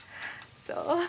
そう。